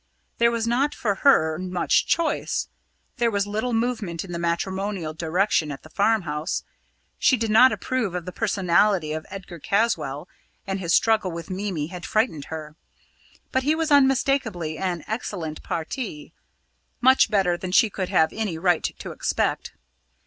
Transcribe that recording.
There was not for her much choice there was little movement in the matrimonial direction at the farmhouse. She did not approve of the personality of Edgar Caswall, and his struggle with Mimi had frightened her; but he was unmistakably an excellent parti, much better than she could have any right to expect.